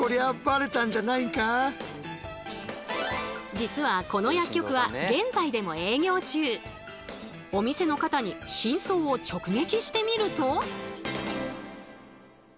実はこの薬局はお店の方に真相を直撃してみると。